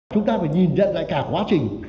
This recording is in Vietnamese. chúng ta phải nhìn dẫn lại cả quá trình